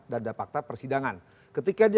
dada fakta persidangan ketika dia